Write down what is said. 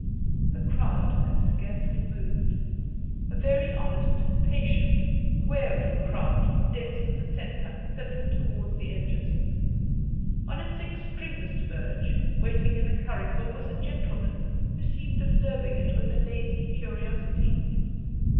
The crowd had scarcely moved; a very honest, patient, weary crowd dense in the centre, thinning towards the edges. On its extremest verge, waiting in a curricle, was a gentleman, who seemed observing it with a lazy curiosity.